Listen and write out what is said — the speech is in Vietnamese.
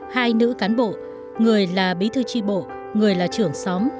hai nữ cán bộ người là bí thư tri bộ người là trưởng xóm